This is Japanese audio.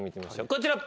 こちら。